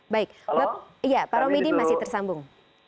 baik iya pak romedy masih tersambung